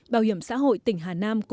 bảo hiểm xã hội tỉnh hà nam